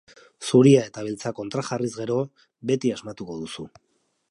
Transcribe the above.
Zuria eta beltza kontrajarriz gero, beti asmatuko duzu.